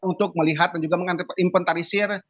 untuk melihat dan juga menginventarisir